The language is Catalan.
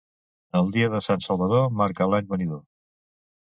El dia de Sant Salvador marca l'any venidor.